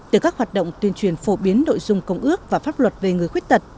từ các hoạt động tuyên truyền phổ biến nội dung công ước và pháp luật về người khuyết tật